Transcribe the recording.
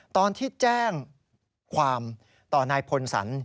ตอนที่แจ้งความต่อนายพลสัน